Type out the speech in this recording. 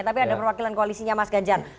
tapi ada perwakilan koalisinya mas ganjar